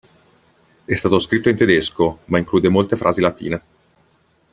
È stato scritto in tedesco, ma include molte frasi latine.